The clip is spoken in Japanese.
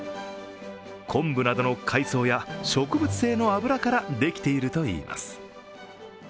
昆布などの海藻や植物性の油からできているといいます。